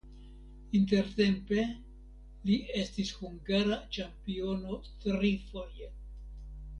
Intertempe li estis hungara ĉampiono trifoje.